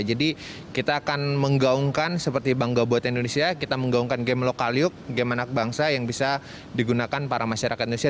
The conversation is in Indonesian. jadi kita akan menggaungkan seperti bangga buat indonesia kita menggaungkan game lokal yuk game anak bangsa yang bisa digunakan para masyarakat indonesia